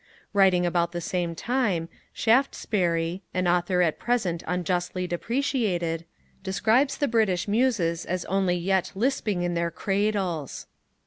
Writing about the same time, Shaftesbury, an author at present unjustly depreciated, describes the English Muses as only yet lisping in their cradles.